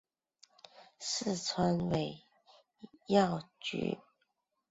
四川尾药菊